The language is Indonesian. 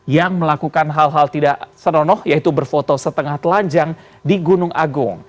yang melakukan hal hal tidak senonoh yaitu berfoto setengah telanjang di gunung agung